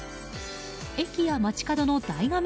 駅や街角の大画面